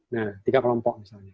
nah tiga kelompok misalnya